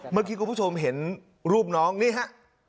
เมื่อกี้คุณผู้ชมเห็นรูปน้องนี่ฮะ